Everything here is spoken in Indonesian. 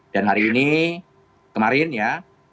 dan hari ini kemarin ya